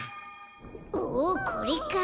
おおこれか。